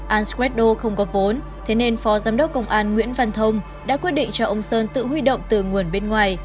an swatdo không có vốn thế nên phó giám đốc công an nguyễn văn thông đã quyết định cho ông sơn tự huy động từ nguồn bên ngoài